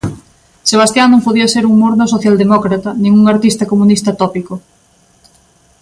Sebastian non podía ser un morno socialdemócrata nin un artista comunista tópico.